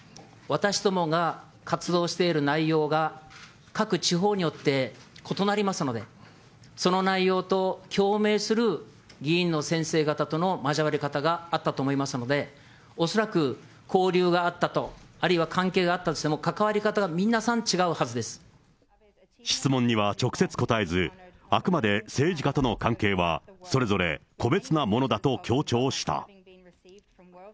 私どもが活動している内容が、各地方によって異なりますので、その内容と共鳴する議員の先生方との交わり方があったと思いますので、恐らく、交流があったと、あるいは関係があったとしても、質問には直接答えず、あくまで政治家との関係はそれぞれ個別なものだと強調した。